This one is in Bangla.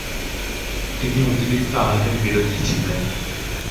তিনি অতিরিক্ত আহারের বিরোধী ছিলেন।